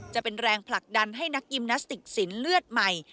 จะเป็นแรงผลักดันให้นักยิมนาสติกสินเลือดใหม่